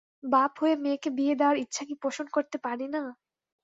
বাপ হয়ে মেয়েকে বিয়ে দেয়ার ইচ্ছা কি পোষন করতে পারি না?